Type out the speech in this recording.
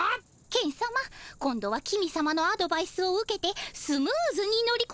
ケンさま今度は公さまのアドバイスを受けてスムーズに乗りこまれました！